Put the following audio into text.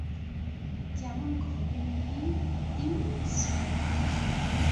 যেমন ঘরের মেয়ে তেমনি শ্রী।